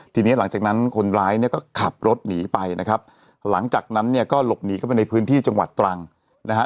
ทีนี้หลังจากนั้นคนร้ายเนี่ยก็ขับรถหนีไปนะครับหลังจากนั้นเนี่ยก็หลบหนีเข้าไปในพื้นที่จังหวัดตรังนะฮะ